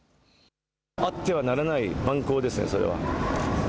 あってはならない蛮行ですねそれは。